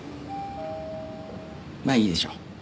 まあいいでしょう。